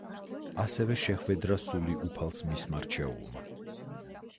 ასე შეჰვედრა სული უფალს მისმა რჩეულმა.